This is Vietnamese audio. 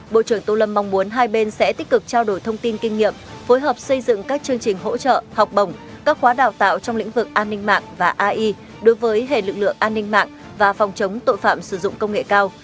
bộ trưởng tô lâm mong muốn hai bên sẽ tích cực trao đổi thông tin kinh nghiệm phối hợp xây dựng các chương trình hỗ trợ học bổng các khóa đào tạo trong lĩnh vực an ninh mạng và ai đối với hệ lực lượng an ninh mạng và phòng chống tội phạm sử dụng công nghệ cao